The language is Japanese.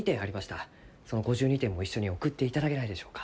その５２点も一緒に送っていただけないでしょうか？